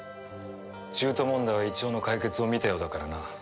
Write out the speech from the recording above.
獣人問題は一応の解決を見たようだからな。